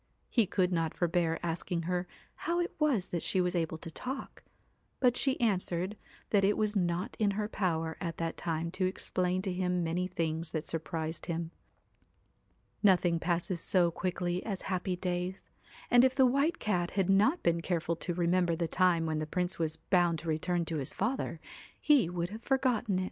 He could not forbear asking her how it was that she was able to talk ; but she answered that it was not in her power at that time to explain to him many things that sur prised him. Nothing passes so quickly as happy days, and if the White Cat had not been careful to remember the time when the Prince was bound to return to his father, he would have forgotten it.